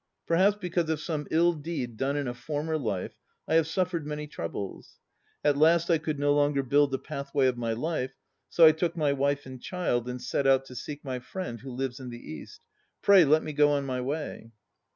Perhaps because of some ill deed done in a former life I have suffered many troubles. At last I could no longer build the pathway of my life, so I took my wife and child and set out to seek my friend who lives in the East. Pray let me go on my way.